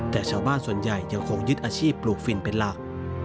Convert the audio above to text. แต่ชาวบ้านส่วนใหญ่ยังคงยึดอาชีพปลูกฟินเป็นหลัก